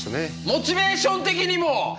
モチベーション的にも。